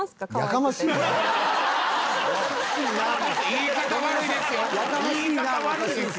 言い方悪いですよ。